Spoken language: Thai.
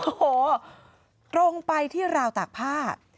โอ้โหตรงไปที่ราวตากผ้า